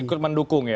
ikut mendukung ya